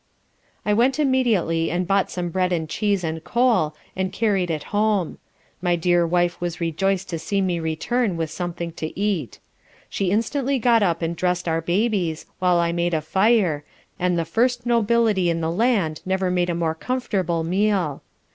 I went immediately and bought some bread and cheese and coal and carried it home. My dear wife was rejoiced to see me return with something to eat. She instantly got up and dressed our Babies, while I made a fire, and the first Nobility in the land never made a more comfortable meal.